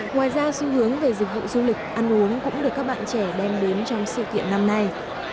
ngoài ra xu hướng về dịch vụ du lịch ăn uống cũng được các bạn trẻ đem đến trong sự kiện năm nay